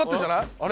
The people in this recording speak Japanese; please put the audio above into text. あれ？